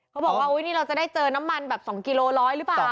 เขาบอกว่าอุ๊ยนี่เราจะได้เจอน้ำมันแบบ๒กิโลร้อยหรือเปล่า